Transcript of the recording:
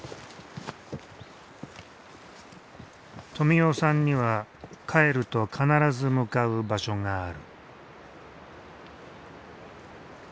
富男さんには帰ると必ず向かう場所がある。